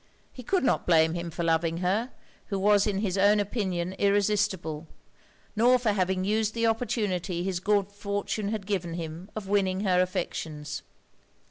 He could not blame him for loving her, who was in his own opinion irresistible; nor for having used the opportunity his good fortune had given him of winning her affections.